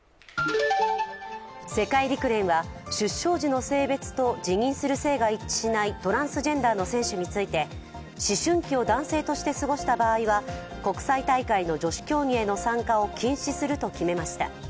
世界陸連は出生時の性別と自認する性が一致しないトランスジェンダーの選手について思春期を男性として過ごした場合は国際大会の女子競技への参加を禁止すると決めました。